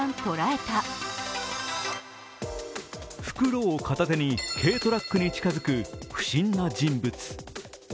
袋を片手に軽トラックに近づく不審な人物。